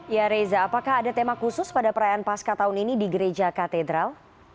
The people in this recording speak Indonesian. ya reza apakah ada tema khusus pada perayaan pasca tahun ini di gereja katedral